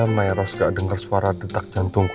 mayros gak denger suara detak jantungku